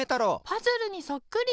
パズルにそっくり！